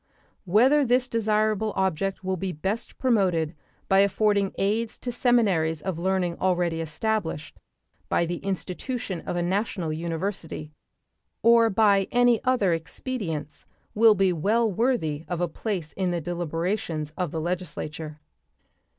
Whether this desirable object will be best promoted by affording aids to seminaries of learning already established, by the institution of a national university, or by any other expedients will be well worthy of a place in the deliberations of the legislature.